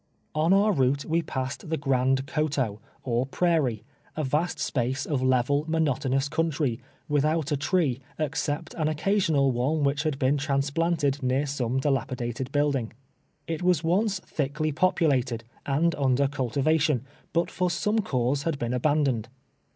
On our route we passed the Grand Coteau or prairie, a vast space of level, monotonous country, without a tree, except an occasional one which had been trans planted near some dilapidated dwelling. It was once thickly populated, and under cultivation, but for some cause had been abandoned.